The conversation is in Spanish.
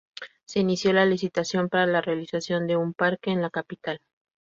Se inició la licitación para la realización de un Parque en la Capital.